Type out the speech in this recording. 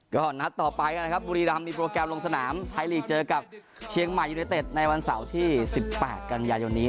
ก็นัดต่อไปกันนะครับบุรีรำมีโปรแกรมลงสนามไทยลีกเจอกับเชียงใหม่ยูเนเต็ดในวันเสาร์ที่๑๘กันยายนนี้